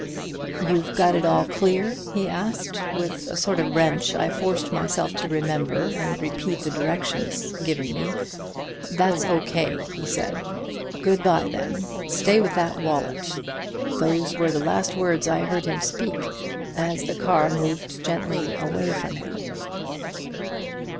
'You've got it all clear?' he asked. With a sort of wrench I forced myself to remember and repeat the directions given me. 'That's O. K.,' he said. 'Good by, then. Stay with that wallet.' Those were the last words I heard him speak as the car moved gently away from him."